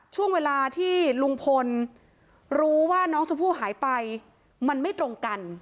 ช่วงเวลาที่ลุงพลรู้ว่าน้องชมพู่หายไปมันไม่ตรงกัน